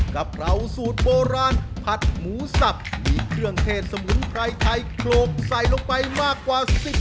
ใกล้บ้านเราครับผมค่ะ